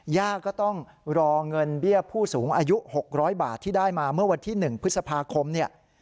ย่าก็ต้องรอเงินเบี้ยผู้สูงอายุ๖๐๐บาทที่ได้มาเมื่อวันที่๑พฤษภาคมเนี่ย